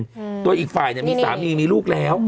อืมตัวอีกฝ่ายเนี้ยมีสามีมีลูกแล้ว